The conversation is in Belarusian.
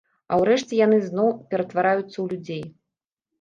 А ўрэшце яны зноў ператвараюцца ў людзей.